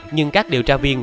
nhưng các điều tra viên